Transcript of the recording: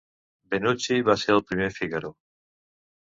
Benucci va ser el primer Fígaro.